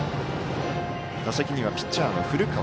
打席にはピッチャーの古川。